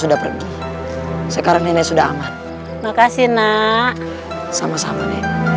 unya tiket sendirian